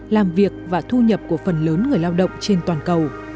làm việc và thu nhập của phần lớn người lao động trên toàn cầu